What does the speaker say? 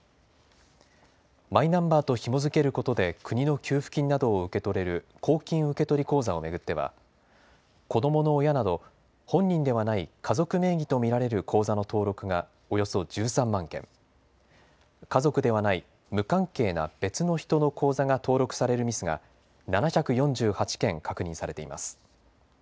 マイナンバーとひも付けることで国の給付金などを受け取れる公金受取口座を巡っては子どもの親など本人ではない家族名義と見られる口座の登録がおよそ１３万件、家族ではない無関係な別の人の口座が登録されるミスが７４８件確認されています。